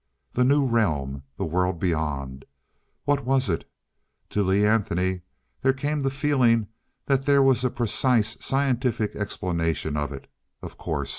The new realm. The World Beyond. What was it? To Lee Anthony then came the feeling that there was a precise scientific explanation of it, of course.